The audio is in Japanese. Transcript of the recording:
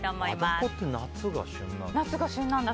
マダコって夏が旬なんだ。